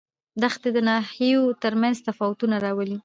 دښتې د ناحیو ترمنځ تفاوتونه راولي.